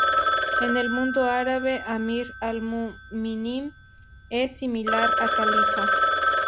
En el mundo árabe "Amir al-Mu'minin" es similar a Califa.